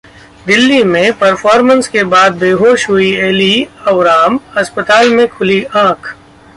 दिल्ली में परफॉर्मेंस के बाद बेहोश हुईं एली अवराम, अस्पताल में खुली आंख